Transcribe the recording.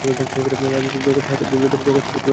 রাজা বললেন, জগৎ হতে করিতে ধুলা দূর, জগৎ হলো ধুলায় ভরপুর।